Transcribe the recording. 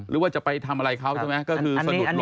ก็คือสะดุดล้ม